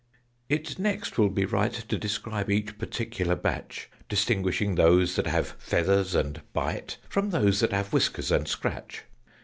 It next will be right To describe each particular batch: Distinguishing those that have feathers, and bite, From those that have whiskers, and scratch.